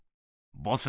ボス